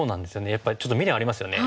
やっぱりちょっと未練ありますよね。